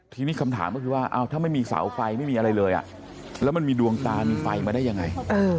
ทีนี้คำถามก็คือว่าถ้าไม่มีเสาไฟไม่มีอะไรเลยแล้วมันมีดวงตามีไฟมาได้ยังไง